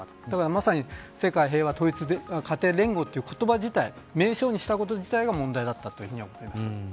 まさに世界平和統一家庭連合という名称にしたこと自体が問題だったと思います。